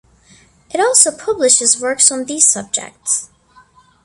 It also publishes works on these subjects.